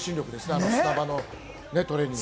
あの砂場のトレーニング。